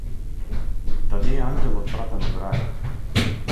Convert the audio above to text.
Да не е ангелот пратен од рајот.